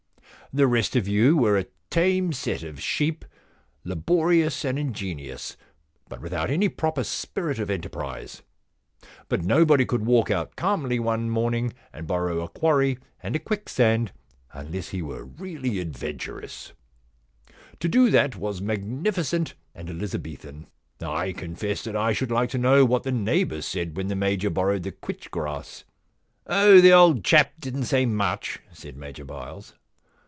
The rest of you were a tame set of sheep, laborious and ingenious, but without any proper spirit of enterprise. But nobody could walk out calmly one morning and borrow a quarry and a quicksand unless he were really 214 The Q Loan Problem adventurous. To do that was magnificent and Elizabethan. I confess that I should like to know what the neighbour said when the Major borrowed the quitch grass.* * Oh, the old chap didn*t say much,' said Major Byles.